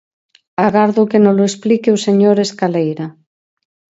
Agardo que nolo explique o señor Escaleira.